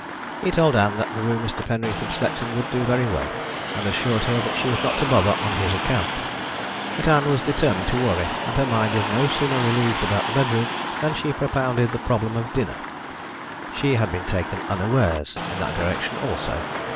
He told Ann that the room Mr. Penreath had slept in would do very well, and assured her that she was not to bother on his account. But Ann was determined to worry, and her mind was no sooner relieved about the bedroom than she propounded the problem of dinner. She had been taken unawares in that direction also.